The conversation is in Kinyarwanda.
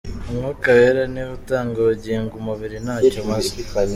Umwuka Wera ni we utanga ubugingo, umubiri nta cyo umaze.